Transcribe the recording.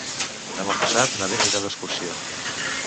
Demà passat na Vera irà d'excursió.